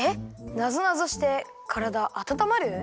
なぞなぞしてからだあたたまる？